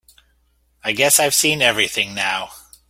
I guess I've seen everything now.